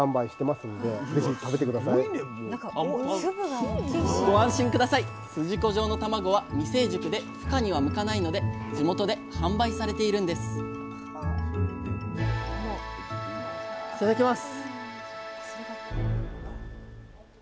すじこ状の卵は未成熟でふ化には向かないので地元で販売されているんですいただきます！